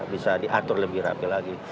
bisa diatur lebih rapi lagi